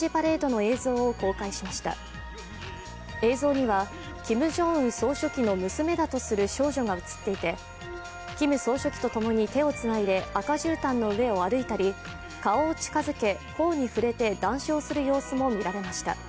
映像にはキム・ジョンウン総書記の娘だとする少女が映っていてキム総書記と共に手をつないで赤じゅうたんの上を歩いたり、顔を近づけ、頬に触れて談笑する様子も見られました。